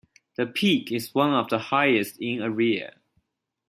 The peak is one of the highest in area.